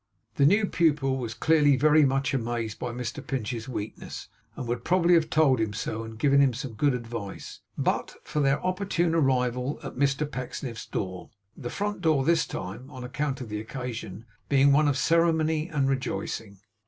The new pupil was clearly very much amazed by Mr Pinch's weakness, and would probably have told him so, and given him some good advice, but for their opportune arrival at Mr Pecksniff's door; the front door this time, on account of the occasion being one of ceremony and rejoicing.